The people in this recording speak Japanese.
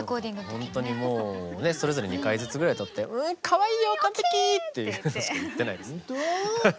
ほんとにもうそれぞれ２回ずつぐらい歌って「かわいいよ完璧！」っていうことしか言ってないです。